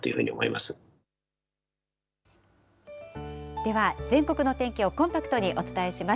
では、全国の天気をコンパクトにお伝えします。